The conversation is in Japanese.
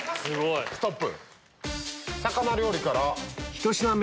ストップ！